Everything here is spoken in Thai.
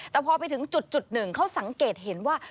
แต่พอไปถึงจุดหนึ่งเขาสังเกตเห็นว่า